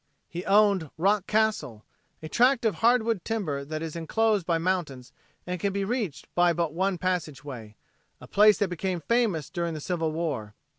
He owned "Rock Castle," a tract of hardwood timber that is enclosed by mountains and can be reached by but one passageway, a place that became famous during the Civil War.